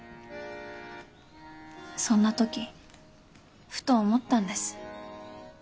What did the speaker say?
そんなときふと思ったんです。